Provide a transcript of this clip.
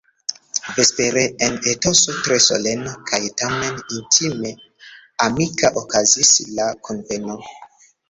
Vespere en etoso tre solena kaj tamen intime amika okazis la kunveno.